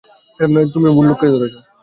তুমি ভুল লোককে ধরেছ।